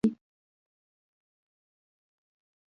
یا مېړونه یا ماينې وي